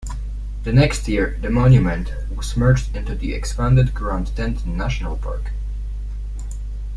The next year the monument was merged into the expanded Grand Teton National Park.